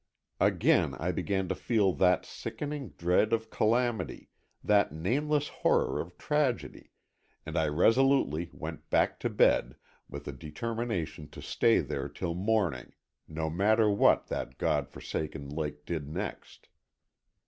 Again I began to feel that sickening dread of calamity, that nameless horror of tragedy, and I resolutely went back to bed with a determination to stay there till morning, no matter what that God forsaken lake did next.